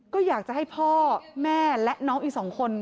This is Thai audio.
ก็อยากจะให้พ่อแม่และน้องอีก๒คน